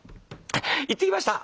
行ってきました！」。